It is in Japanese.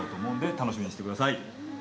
楽しみしてください。